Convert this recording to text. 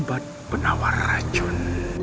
obat penawar racun